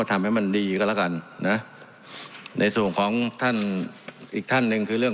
สูงสูงสูงสูงสูง